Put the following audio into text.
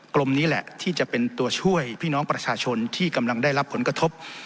ลมนี้แหละที่จะเป็นตัวช่วยพี่น้องประชาชนที่กำลังได้รับผลกระทบ